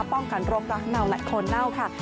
ป้องกันโรครักเนาและโคนเน่าค่ะ